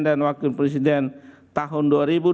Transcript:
dan wakil presiden tahun dua ribu dua puluh empat